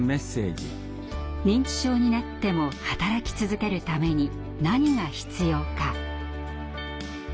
認知症になっても働き続けるために何が必要か。